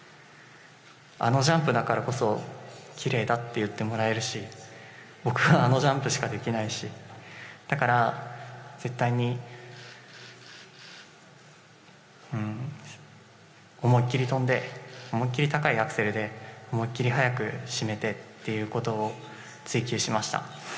あのジャンプだからこそきれいだって言ってもらえるし僕はあのジャンプしかできないしだから、絶対に思いっきり跳んで思い切り高いアクセルで思い切り早く締めてということを追求しました。